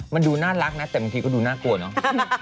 มันดูน่ารักนะแต่บางทีก็ดูน่ากลัวเนอะ